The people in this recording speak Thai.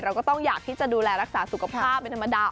ก็ต้องอยากที่จะดูแลรักษาสุขภาพเป็นธรรมดา